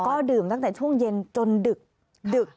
ก็ดื่มตั้งแต่ช่วงเย็นจนดึก